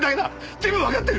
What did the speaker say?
全部わかってる！